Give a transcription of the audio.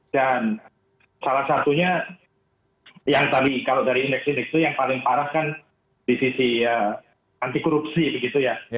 dan salah satunya yang tadi kalau dari indeks indeks itu yang paling parah kan di sisi anti korupsi begitu ya